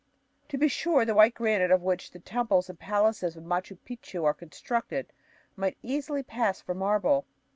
To be sure, the white granite of which the temples and palaces of Machu Picchu are constructed might easily pass for marble.